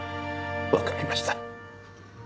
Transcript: わかりました。